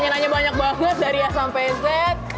bagaimana sih kalau kita mau lihat